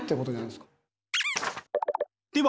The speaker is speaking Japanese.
では